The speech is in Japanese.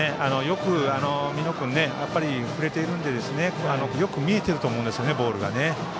美濃君は振れているのでよく見えていると思うんですボールがね。